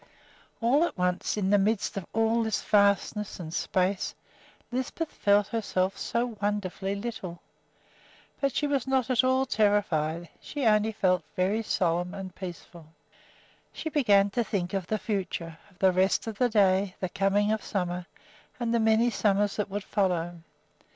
All at once, in the midst of this vastness and space, Lisbeth felt herself so wonderfully little! But she was not at all terrified; she only felt very solemn and peaceful. She began to think of the future, of the rest of the day, the coming summer, and the many summers that would follow.